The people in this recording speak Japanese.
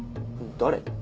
誰？